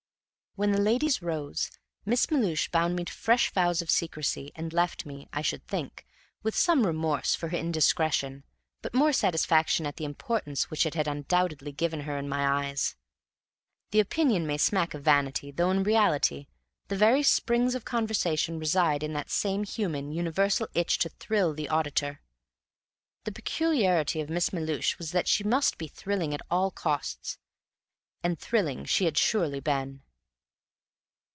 When the ladies rose, Miss Melhuish bound me to fresh vows of secrecy; and left me, I should think, with some remorse for her indiscretion, but more satisfaction at the importance which it had undoubtedly given her in my eyes. The opinion may smack of vanity, though, in reality, the very springs of conversation reside in that same human, universal itch to thrill the auditor. The peculiarity of Miss Melhuish was that she must be thrilling at all costs. And thrilling she had surely been.